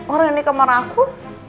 orang yang di kamar aku